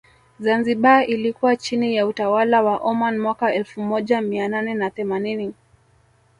Zanzibar ilikuwa chini ya utawala wa Oman mwaka elfu moja mia nane na themanini